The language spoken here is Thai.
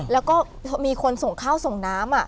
แล้วก็มีคนส่งข้าวส่งน้ำ